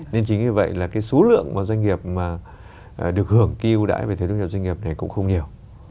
nên chính vì vậy là cái số lượng mà doanh nghiệp mà được hưởng cái ưu đãi về thuế thu nhập doanh nghiệp này cũng không nhiều